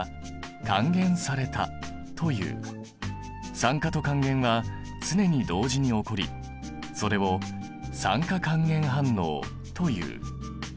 酸化と還元は常に同時に起こりそれを「酸化還元反応」という。